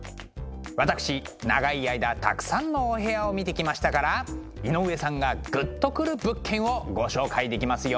私長い間たくさんのお部屋を見てきましたから井上さんがグッとくる物件をご紹介できますよ。